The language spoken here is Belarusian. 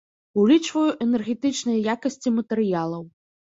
Улічваю энергетычныя якасці матэрыялаў.